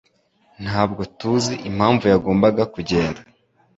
Ntabwo tuzi impamvu yagombaga kugenda.